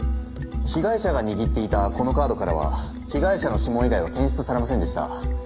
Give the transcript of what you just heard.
被害者が握っていたこのカードからは被害者の指紋以外は検出されませんでした。